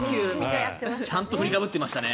ちゃんと振りかぶってましたね。